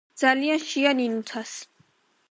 ძალიან შია ნინუცას